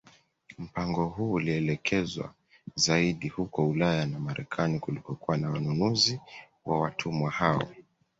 Mpango huu ulielekezwa zaidi huko Ulaya na Marekani kulikokuwa na wanunuzi wa watumwa hao